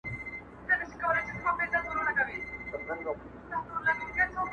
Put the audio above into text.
يو ازغي سره مې جنګ دی